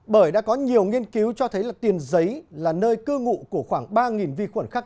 bởi đã có nhiều nghiên cứu cho thấy là tiền giấy là nơi cư ngụ của khoảng ba vi khuẩn khác